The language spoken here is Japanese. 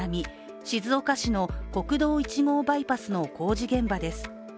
静岡市の国道１号バイパスの工事現場です。